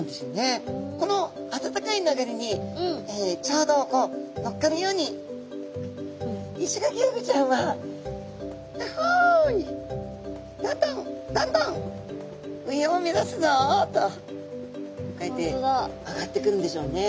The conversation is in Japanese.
この暖かい流れにちょうどこう乗っかるようにイシガキフグちゃんはキャッホイどんどんどんどん上を目指すぞとこうやって上がっていくんでしょうね